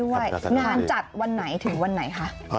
งานจัดวันไหนถึงวันไหนคะ